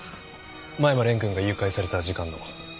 間山蓮くんが誘拐された時間の。